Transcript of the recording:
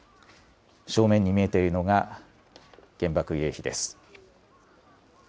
正面に見えているのが原爆慰霊碑です。